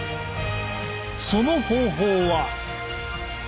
その方法は。